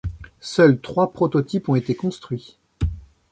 Seuls trois prototypes ont été construits.